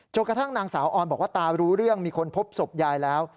กระทั่งนางสาวออนบอกว่าตารู้เรื่องมีคนพบศพยายแล้ว